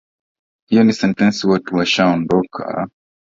Hio ni sentensi watu washaandika